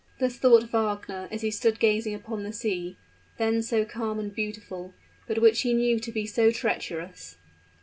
Thus thought Wagner, as he stood gazing upon the sea, then so calm and beautiful, but which he knew to be so treacherous.